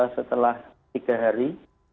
setelah tiga hari